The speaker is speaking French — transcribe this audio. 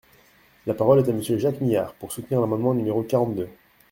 La parole est à Monsieur Jacques Myard, pour soutenir l’amendement numéro quarante-deux.